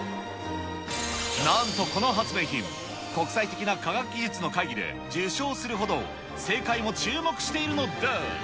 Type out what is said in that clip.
なんとこの発明品、国際的な科学技術の会議で受賞するほど、世界も注目しているのだ。